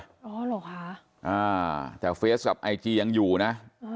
อ๋อเหรอคะแต่เฟสกับไอจียังอยู่นะ